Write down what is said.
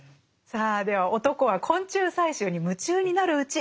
さあでは男は昆虫採集に夢中になるうち